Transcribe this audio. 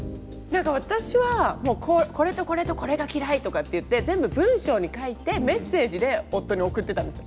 何か私はこれとこれとこれが嫌いとかっていって全部文章に書いてメッセージで夫に送ってたんです。